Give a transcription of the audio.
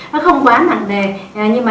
nó không quá nặng nề nhưng mà